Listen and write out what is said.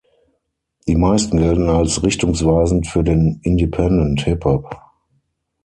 Die meisten gelten als richtungsweisend für den Independent-Hip-Hop.